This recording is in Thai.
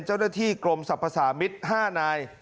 เจ้าหน้าที่กรมศัพท์ภาษามิตร๕นาย